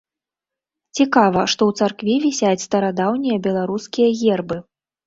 Цікава, што ў царкве вісяць старадаўнія беларускія гербы.